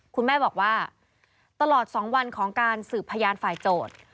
คุณแม่บอกว่าตลอด๒วันของการสืบพยานฝ่ายโจทย์